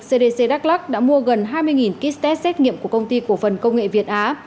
cdc đắk lắc đã mua gần hai mươi kit test xét nghiệm của công ty cổ phần công nghệ việt á